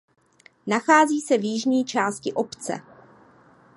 Nachází se v jižní části obce.